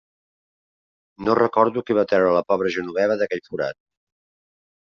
No recordo qui va treure la pobra Genoveva d'aquell forat.